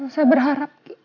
saya berharap ki